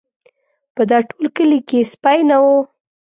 په دا ټول کلي کې سپی نه و.